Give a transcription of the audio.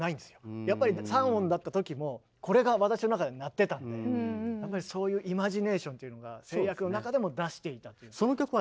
やっぱり３音だった時もこれが私の中で鳴ってたんでやっぱりそういうイマジネーションっていうのが制約の中でも出していたという。